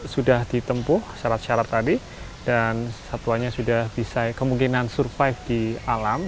sudah ditempuh syarat syarat tadi dan satuannya sudah bisa kemungkinan survive di alam